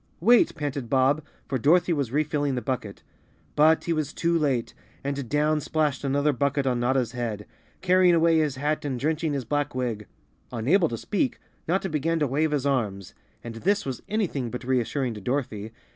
"Wait!" panted Bob, for Dorothy was refilling the bucket. But he was too late and down splashed an¬ other bucket on Notta's head, carrying away his hat and drenching his black wig. Unable to speak, Notta began to wave his arms, and this was anything but reassuring to Dorothy.